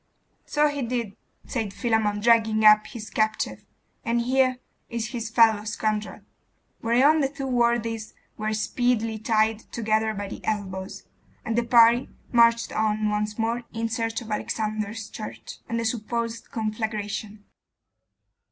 'So he did,' said Philammon, dragging up his captive, 'and here is his fellow scoundrel.' Whereon the two worthies were speedily tied together by the elbows; and the party marched on once more in search of Alexander's church, and the supposed conflagration.